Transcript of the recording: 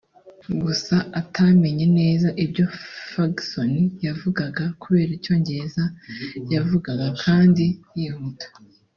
gusa atamenye neza ibyo Ferguson yavugaga kubera icyongereza yavugaga kandi yihuta